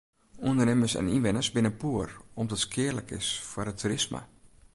Undernimmers en ynwenners binne poer om't it skealik is foar it toerisme.